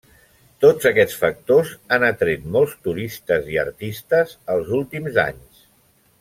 Tots aquests factors han atret molts turistes i artistes els últims anys.